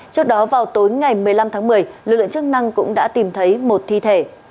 trước đó vào tối ngày một mươi năm tháng một mươi lực lượng chức năng cũng đã tìm thấy một thi thể